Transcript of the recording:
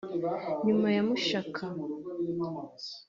nyuma ya Mushaka